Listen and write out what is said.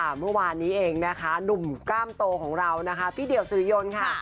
เมื่อวานนี้เองนุ่มก้ามโตของเราพี่เดี๋ยวสุริยนต์ค่ะ